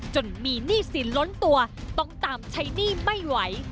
จนมีหนี้สินล้นตัวต้องตามใช้หนี้ไม่ไหว